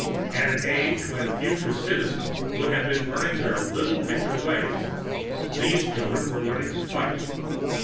At an age when future Citizens would have been learning their Little Pitcher Ways, these children were learning to fight.